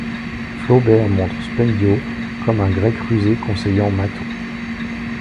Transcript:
Flaubert montre Spendios comme un Grec rusé conseillant Mâtho.